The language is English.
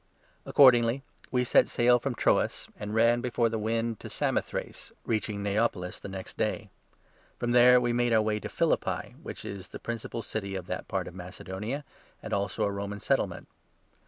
Paul at Accordingly we set sail from Troas, and ran u phiiippi. before the wind to Samothrace, reaching Neapolis the next day. From there we made our way to Phiiippi, 12 which is the principal city of that part of Macedonia, and also a Roman Settlement.